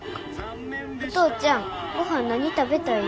お父ちゃんごはん何食べたい？